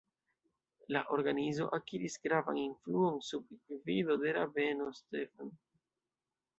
La organizo akiris gravan influon sub gvido de rabeno Stephen.